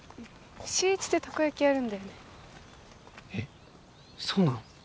週一でたこ焼きやるんだよねえっそうなの？